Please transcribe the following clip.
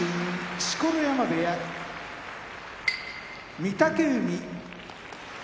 錣山部屋御嶽海